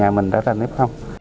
thì người nhà mình đã ra nếp không